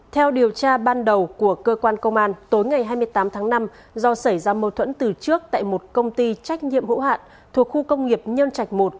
theo điều tra ban đầu của cơ quan công an tối ngày hai mươi tám tháng năm do xảy ra mâu thuẫn từ trước tại một công ty trách nhiệm hữu hạn thuộc khu công nghiệp nhân trạch một